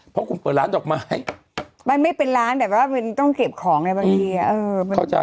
เพราะคุณเปิดร้านดอกไม้มันไม่เป็นร้านแต่ว่ามันต้องเก็บของนะบางทีอะ